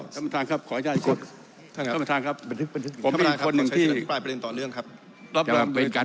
เดี๋ยวจะขออภิปรายใช่ไหมครับ